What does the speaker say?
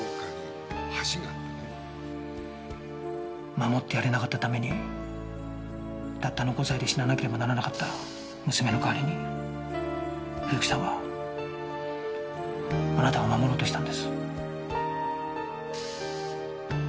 守ってやれなかったためにたったの５歳で死ななければならなかった娘の代わりに古木さんはあなたを守ろうとしたんです。